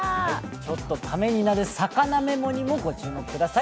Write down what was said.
ちょっとためになる魚メモにもご注意ください。